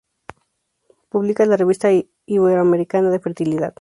Publica la "Revista Iberoamericana de Fertilidad".